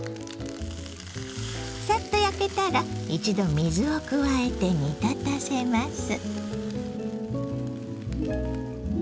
さっと焼けたら一度水を加えて煮立たせます。